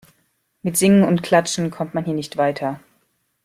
Mit Singen und Klatschen kommt man hier nicht weiter.